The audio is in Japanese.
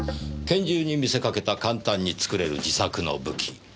拳銃に見せかけた簡単に作れる自作の武器。